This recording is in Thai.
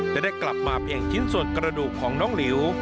และได้กลับมาเพียงชิ้นส่วนกระดูกของน้องหลิว